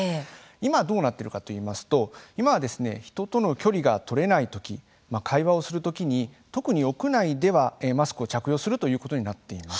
今、どうなっているかといいますと今は、人との距離が取れない時会話をする時に特に屋内では、マスクを着用するということになっています。